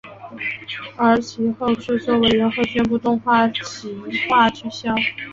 而其后制作委员会宣布动画化企划取消。